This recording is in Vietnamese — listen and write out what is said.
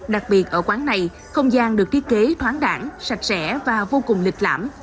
đặc biệt ở quán này không gian được thiết kế thoáng đẳng sạch sẽ và vô cùng lịch lãm